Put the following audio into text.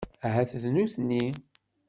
Ahat d nutni.